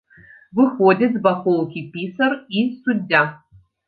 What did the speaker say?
Выходзяць з бакоўкі пісар і суддзя.